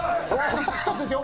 １つですよ。